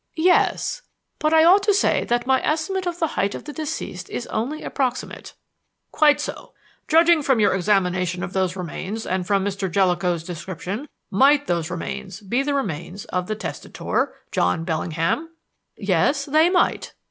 "Yes. But I ought to say that my estimate of the height of the deceased is only approximate." "Quite so. Judging from your examination of those remains and from Mr. Jellicoe's description, might those remains be the remains of the testator, John Bellingham?" "Yes, they might."